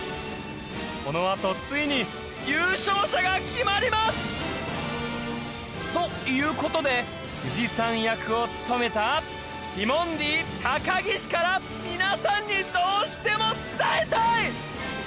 このあとついに優勝者が決まりますということで富士山役を務めたティモンディ・高岸から皆さんにどうしても伝えたい！